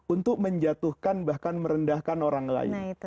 untuk menjatuhkan bahkan merendahkan orang lain